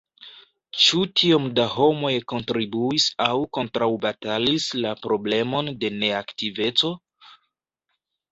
Ĉu tiom da homoj kontribuis aŭ kontraŭbatalis la problemon de neaktiveco?